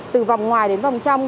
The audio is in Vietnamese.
từ vòng ngoài đến vòng trong